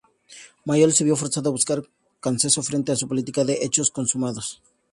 Mayol se vio forzada a buscar consenso frente a su política de hechos consumados.